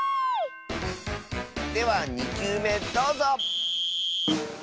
では２きゅうめどうぞ！